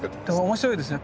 面白いですね。